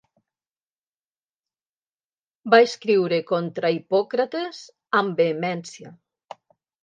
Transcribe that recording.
Va escriure contra Hipòcrates amb vehemència.